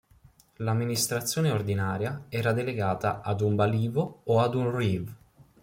L'amministrazione ordinaria era delegata ad un balivo o ad un "reeve".